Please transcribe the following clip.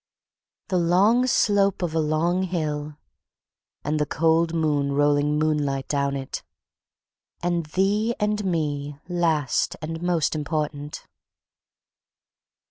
"The long slope of a long hill." "And the cold moon rolling moonlight down it." "And thee and me, last and most important."